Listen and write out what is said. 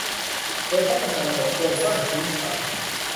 โดยพัฒนาระบบโครงสร้างพื้นฐาน